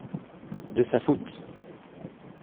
de sa faute.